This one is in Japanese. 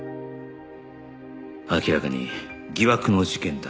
明らかに疑惑の事件だ